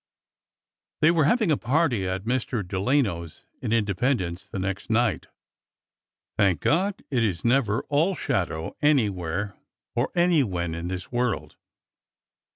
T hey were having a party at Mr. Delano's in Inde pendence the next night. Thank God, it is never all shadow anywhere or anywhen in this world